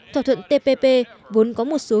thỏa thuận tpp vốn có một số